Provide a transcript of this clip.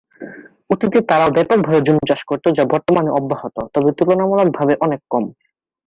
অতীতে তারাও ব্যাপকভাবে জুম চাষ করতো যা বর্তমানেও অব্যাহত, তবে তুলনামূলকভাবে অনেকটা কম।